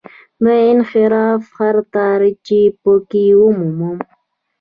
د انحراف هر تار چې په کې ومومم.